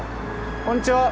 こんにちは。